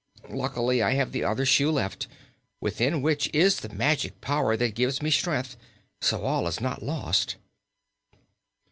Luckily I have the other shoe left, within which is the magic power that gives me strength; so all is not lost."